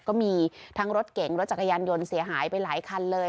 ก็มีทั้งรถเก๋งรถจักรยานยนต์เสียหายไปหลายคันเลย